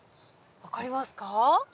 分かりますか？